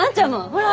ほら！